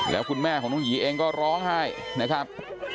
แล้วคุณแม่ของน้องหยีเองก็ร้องไห้นะครับ